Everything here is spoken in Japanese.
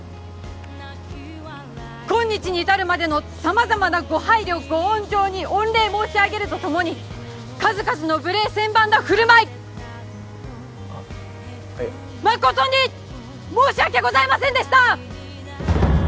今日に至るまでの様々なご配慮ご温情に御礼申し上げるとともに数々の無礼千万な振る舞いあっえっ誠に申し訳ございませんでした！